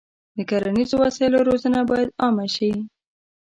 د کرنیزو وسایلو روزنه باید عامه شي.